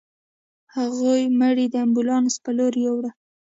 هغوی مړی د امبولانس په لورې يووړ.